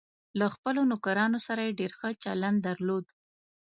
له خپلو نوکرانو سره یې ډېر ښه چلند درلود.